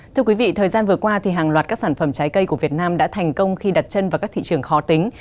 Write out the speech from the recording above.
thưa quý vị thời gian vừa qua hàng loạt các sản phẩm trái cây của việt nam đã thành công khi đặt chân vào các thị trường khó tính